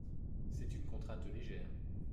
C’est une contrainte légère.